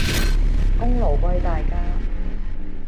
功勞歸大家